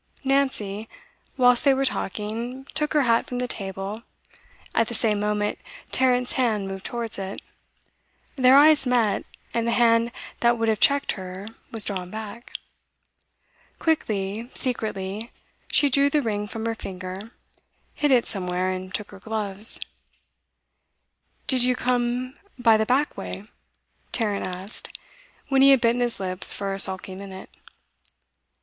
Nancy, whilst they were talking, took her hat from the table; at the same moment, Tarrant's hand moved towards it. Their eyes met, and the hand that would have checked her was drawn back. Quickly, secretly, she drew the ring from her finger, hid it somewhere, and took her gloves. 'Did you come by the back way?' Tarrant asked, when he had bitten his lips for a sulky minute.